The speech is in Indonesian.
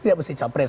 tidak harus capres